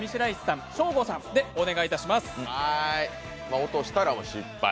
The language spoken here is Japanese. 落としたら失敗。